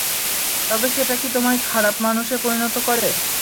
তবে সেটা কি তোমায় খারাপ মানুষে পরিণত করে?